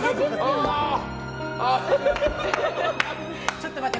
ちょっと待って。